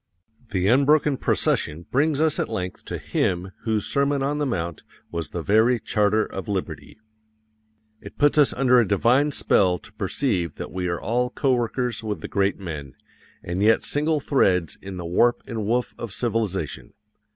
The unbroken procession brings us at length to Him whose Sermon on the Mount was the very charter of liberty. It puts us under a divine spell to perceive that we are all coworkers with the great men, and yet single threads in the warp and woof of civilization.